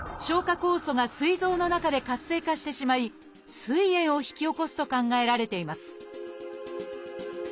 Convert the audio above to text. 酵素がすい臓の中で活性化してしまいすい炎を引き起こすと考えられています